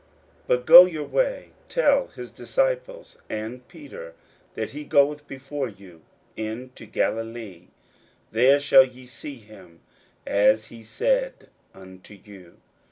41:016:007 But go your way, tell his disciples and Peter that he goeth before you into Galilee: there shall ye see him, as he said unto you.